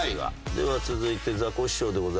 では続いてザコシショウでございますが。